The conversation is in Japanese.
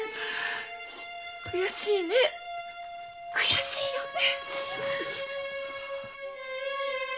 悔しいね悔しいよね。